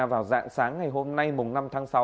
vào dạng sáng ngày hôm nay năm tháng sáu